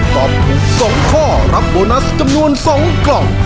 ตอบถูก๒ข้อรับโบนัสจำนวน๒กล่อง